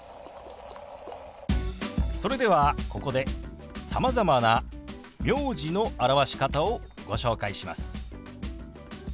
それではここでさまざまな名字の表し方をご紹介します。